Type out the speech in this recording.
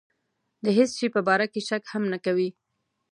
د هېڅ شي په باره کې شک هم نه کوي.